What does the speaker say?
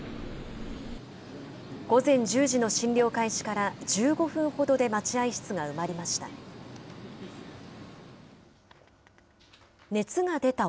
午前１０時の診療開始から１５分ほどで待合室が埋まりました。